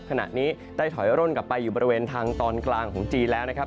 ขณะนี้ได้ถอยร่นกลับไปอยู่บริเวณทางตอนกลางของจีนแล้วนะครับ